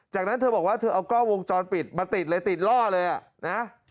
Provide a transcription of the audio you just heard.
จากนั้นเธอบอกว่าเธอเอากล้องวงจรปิดมาติดเลยติดล่อเลยอ่ะนะ